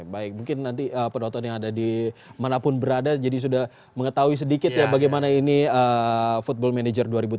baik mungkin nanti penonton yang ada di manapun berada jadi sudah mengetahui sedikit ya bagaimana ini football manager dua ribu tujuh belas